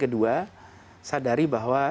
kedua sadari bahwa